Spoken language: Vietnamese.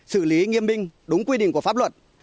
xử lý nghiêm binh đúng quy định của pháp luật